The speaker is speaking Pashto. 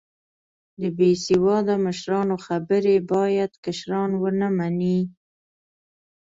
د بیسیواده مشرانو خبرې باید کشران و نه منې